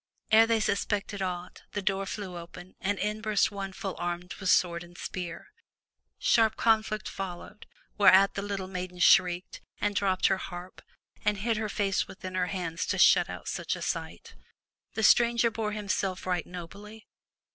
Ere they suspected aught, the door flew open, and in burst one full armed with sword and spear. Sharp conflict followed, whereat the little maiden shrieked, and 378 FROM THE TOWER WINDOW dropped her harp, and hid her face within her hands to shut out such a sight. The stranger bore himself right nobly.